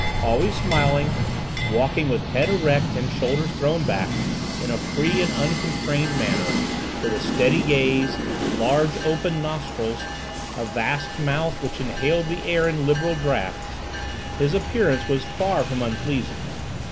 Always smiling, walking with head erect and shoulders thrown back in a free and unconstrained manner, with a steady gaze, large open nostrils, a vast mouth which inhaled the air in liberal draughts, his appearance was far from unpleasing.